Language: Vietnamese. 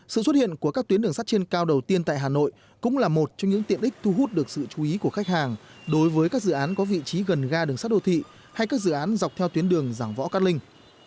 sự xuất hiện của các tuyến đường sắt trên cao đầu tiên tại hà nội cũng là một trong những tiện ích thu hút được sự chú ý của khách hàng đối với các dự án có vị trí gần ga đường sắt đô thị hay các dự án dọc theo tuyến đường giảng võ cát linh